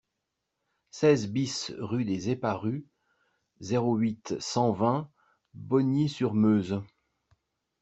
seize BIS rue des Eparus, zéro huit, cent vingt, Bogny-sur-Meuse